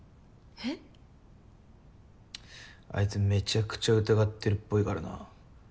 ちっあいつめちゃくちゃ疑ってるっぽいからな。